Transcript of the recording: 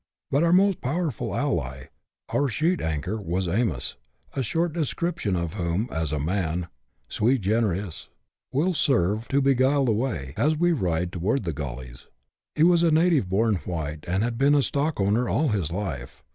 But our most powerful ally, our sheet anchor, was " Amos," a short description of whom, as a man " sui generis^^ will serve to beguile the way, as we ride onward to the gullies. He was a native born white, and had been a stockowner all his life.